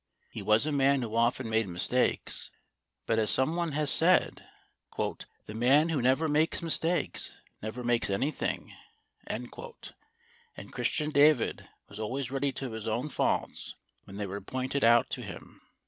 He was a man who often made mistakes, but as some one has said, "the man who never makes mistakes never makes anything;" and Christian David was always ready to own his faults when they were pointed out to him.